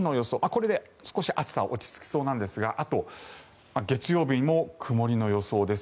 これで少し暑さは落ち着きそうなんですがあと、月曜日も曇りの予想です。